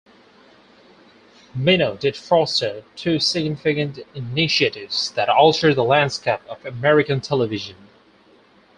Minow did foster two significant initiatives that altered the landscape of American television.